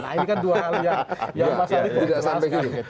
nah ini kan dua hal yang mas arief mengucapkan